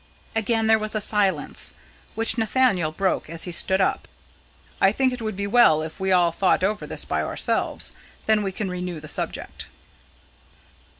Again there was a silence, which Sir Nathaniel broke as he stood up: "I think it would be well if we all thought over this by ourselves. Then we can renew the subject."